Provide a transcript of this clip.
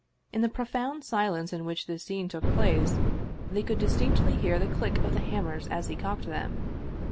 In the profound silence in which this scene took place they could distinctly hear the click of the hammers as he cocked them.